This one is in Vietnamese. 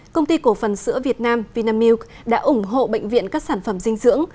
công ty cổ phần sữa việt nam vinamilk đã ủng hộ bệnh viện các sản phẩm dinh dưỡng